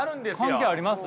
関係あります？